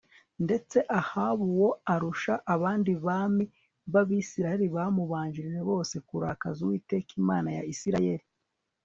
ndetse Ahabu uwo arusha abandi bami bAbisirayeli bamubanjirije bose kurakaza Uwiteka Imana ya Isirayeli